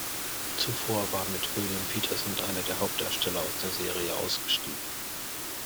Zuvor war mit William Petersen einer der Hauptdarsteller aus der Serie ausgestiegen.